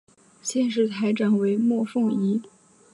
现时台长为莫凤仪。